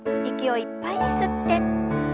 息をいっぱいに吸って。